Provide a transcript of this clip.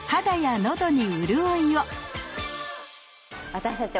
私たち